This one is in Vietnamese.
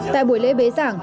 tại buổi lễ bế giảng